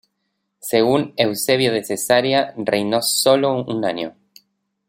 Según Eusebio de Cesarea, reinó sólo un año.